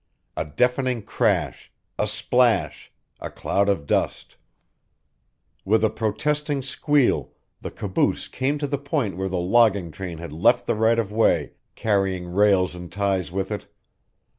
A deafening crash, a splash, a cloud of dust With a protesting squeal, the caboose came to the point where the logging train had left the right of way, carrying rails and ties with it.